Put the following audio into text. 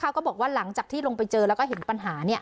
ก็บอกว่าหลังจากที่ลงไปเจอแล้วก็เห็นปัญหา